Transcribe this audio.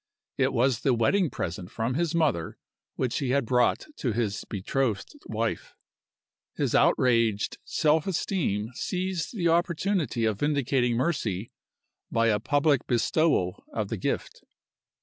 It was the wedding present from his mother which he had brought to his betrothed wife. His outraged self esteem seized the opportunity of vindicating Mercy by a public bestowal of the gift.